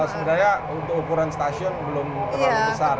sebenarnya untuk ukuran stasiun belum terlalu besar